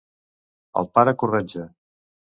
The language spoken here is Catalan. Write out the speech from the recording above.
El pare Corretja.